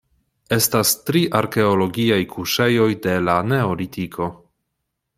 Estas tri arkeologiaj kuŝejoj de la Neolitiko.